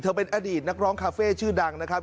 เป็นอดีตนักร้องคาเฟ่ชื่อดังนะครับ